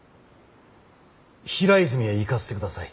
平泉へ行かせてください。